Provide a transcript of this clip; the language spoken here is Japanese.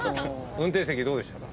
運転席どうでしたか？